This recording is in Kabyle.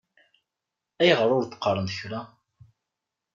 Ayɣer ur d-qqaṛen kra?